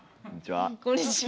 こんにちは。